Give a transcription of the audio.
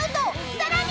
［さらに］